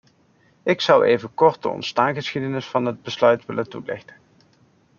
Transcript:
Ik zou even kort de ontstaansgeschiedenis van dit besluit willen toelichten.